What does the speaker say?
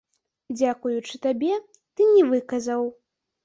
Дзякуючы табе, ты не выказаў.